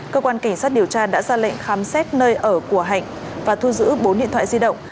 cơ quan cảnh sát điều tra đã ra lệnh khám xét nơi ở của hạnh và thu giữ bốn điện thoại di động